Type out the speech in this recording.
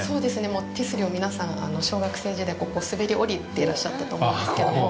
もう手すりも、皆さん、小学生時代、ここを滑り降りていらっしゃったと思うんですけども。